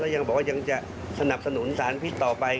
ยังบอกว่ายังจะสนับสนุนสารพิษต่อไป